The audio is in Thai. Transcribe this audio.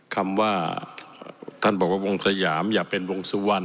คำว่าท่านบอกว่าวงสยามอย่าเป็นวงสุวรรณ